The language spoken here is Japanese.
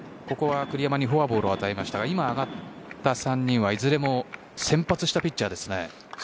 ここは栗山にフォアボールを与えましたが今、名前の挙がった３人はいずれも先発したピッチャーです。